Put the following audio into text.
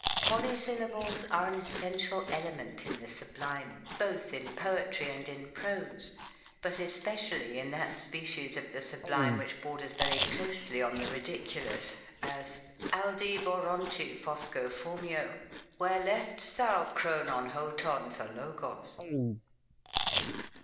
Polysyllables are an essential element in the sub. lime, both in poetry and in prose ; but especially in OUTHOGKAPHY. 19 that species of the sublime which borders very closely on the ridiculous ; as, " Aldiborontiphoscophormio, Where left's thou Chrononhotonthologos